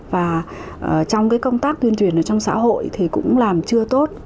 và trong cái công tác tuyên truyền ở trong xã hội thì cũng làm chưa tốt